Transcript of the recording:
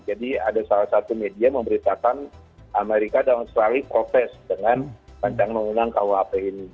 jadi ada salah satu media memberitakan amerika dan australia protes dengan panjang menang kuhp ini